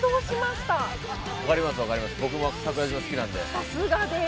さすがです！